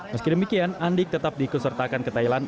meski demikian andik tetap dikonsertakan ke thailand